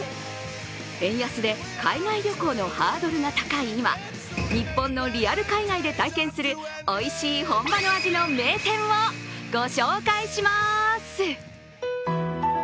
円安で海外旅行のハードルが高い今日本のリアル海外で体験するおいしい本場の味の池袋駅西口